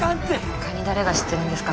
他に誰が知ってるんですか？